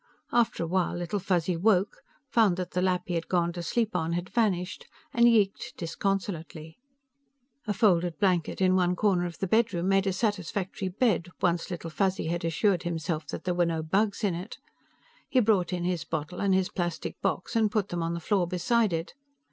After a while, Little Fuzzy woke, found that the lap he had gone to sleep on had vanished, and yeeked disconsolately. A folded blanket in one corner of the bedroom made a satisfactory bed, once Little Fuzzy had assured himself that there were no bugs in it. He brought in his bottle and his plastic box and put them on the floor beside it.